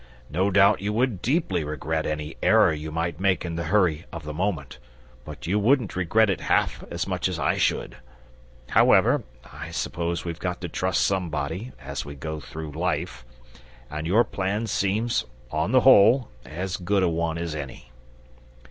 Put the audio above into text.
"No doubt you would deeply regret any error you might make in the hurry of the moment; but you wouldn't regret it half as much as I should! However, I suppose we've got to trust somebody, as we go through life, and your plan seems, on the whole, as good a one as any."